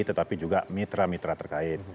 tetapi juga mitra mitra terkait